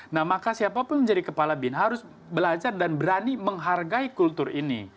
nah maka siapapun menjadi kepala bin harus belajar dan berani menghargai kultur ini